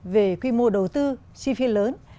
về quy mô đầu tư si phía lớn